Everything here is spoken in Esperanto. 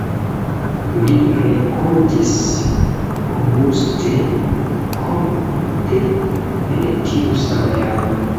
Li renkontis Auguste Comte en tiu sama jaro.